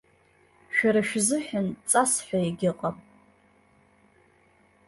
Шәара шәзыҳәан ҵас ҳәа егьыҟам.